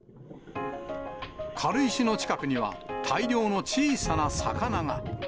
軽石の近くには、大量の小さな魚が。